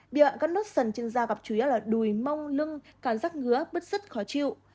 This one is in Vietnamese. biện gắn nốt sần trên da gặp chủ yếu là đùi mông lưng cảm giác ngứa bứt sứt khó chịu